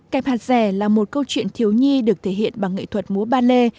kẹp hạt rẻ là một câu chuyện thiếu nhi được thể hiện bằng nghệ thuật múa ballet